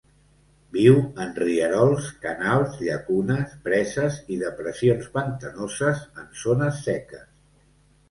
Viu en rierols, canals, llacunes, preses i depressions pantanoses en zones seques.